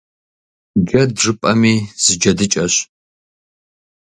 Джэд жыпӏэми зы джэдыкӏэщ.